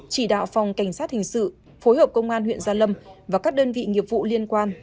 chỉ đạo phòng cảnh sát hình sự phối hợp công an huyện gia lâm và các đơn vị nghiệp vụ liên quan